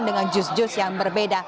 dengan juz juz yang berbeda